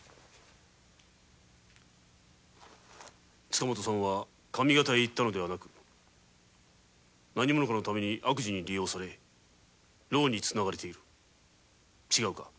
塚本さんは上方へ行ったのではなく何者かのために悪事に利用されたそしてろうにつながれておる違うか。